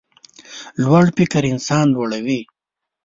لوړ فکر انسان لوړوي.